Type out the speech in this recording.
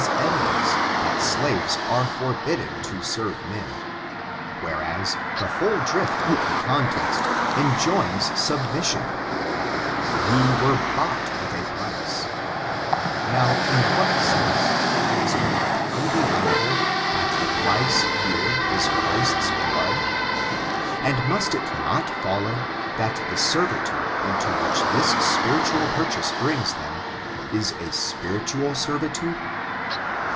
537 ; evidence, tbat tlaves are forbidden to eerve men ; whereas, the whole drift of die context enjoins aubtniasion, *' Ye are bought with a price/* Now, in what sense t Is it not undeniable, that the price here is Christ's blood ? And must it not follow that the serritade into which this spiritual purchase brings them, is a spiritual servitude?